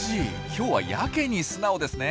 今日はやけに素直ですね。